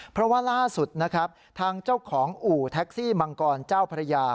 เพราะว่าล่าสุดนะครับทางเจ้าของอู่แท็กซี่มังกรเจ้าพระยา